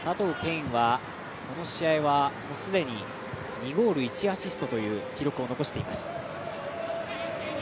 允はこの試合はもう既に２ゴール１アシストという記録を残しています。